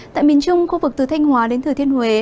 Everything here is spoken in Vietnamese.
tại miền trung khu vực từ thanh hóa đến thừa thiên huế